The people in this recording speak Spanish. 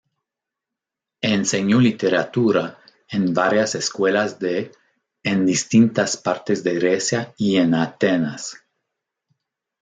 Enseñó literatura en varias escuelas de en distintas partes de Grecia y en Atenas.